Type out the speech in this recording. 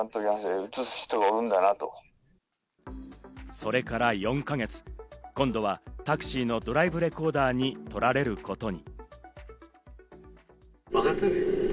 それから４か月、今度はタクシーのドライブレコーダーに撮られることに。